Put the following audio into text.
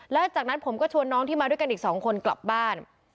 แล้วจากนั้นผมก็ชวนน้องที่มาด้วยกันอีก๒คนกลับบ้าน